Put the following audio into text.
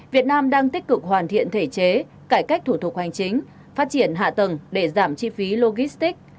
việt nam đang tích cực hoàn thiện thể chế cải cách thủ thuộc hoàn chính phát triển hạ tầng để giảm chi phí logistic